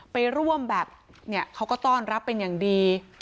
ไปร่วมแบบเนี่ยเขาก็ต้อนรับเป็นอย่างดี